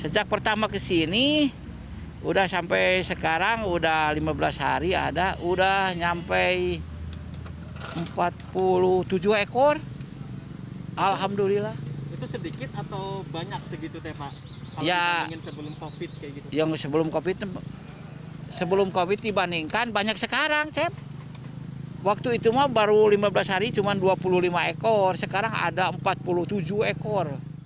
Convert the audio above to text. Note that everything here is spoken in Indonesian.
waktu itu baru lima belas hari cuma dua puluh lima ekor sekarang ada empat puluh tujuh ekor